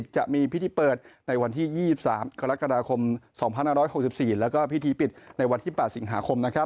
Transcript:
จะมีพิธีเปิดในวันที่๒๓กรกฎาคม๒๕๖๔แล้วก็พิธีปิดในวันที่๘สิงหาคม